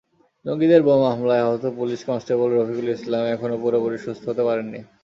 জঙ্গিদের বোমা হামলায় আহত পুলিশ কনস্টেবল রফিকুল ইসলাম এখনো পুরোপুরি সুস্থ হতে পারেননি।